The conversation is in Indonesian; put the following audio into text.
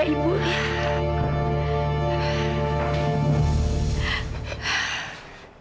ibu ibu jangan ngomong dulu bu